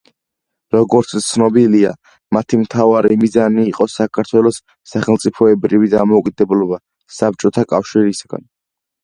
როგორც ცნობილია მათი მთავარი მიზანი იყო საქართველოს სახელმწიფოებრივი დამოუკიდებლობა საბჭოთა კავშირისგან.